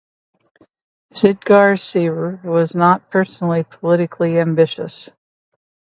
Sigurd Syr was not personally politically ambitious.